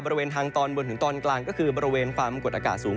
บริเวณทางตอนบนถึงตอนกลางก็คือบริเวณความกดอากาศสูง